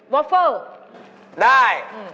อฟเฟอร์ได้